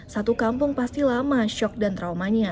satu kampung pasti lama shock dan traumanya